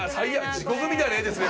地獄みたいな絵ですね